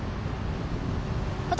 私？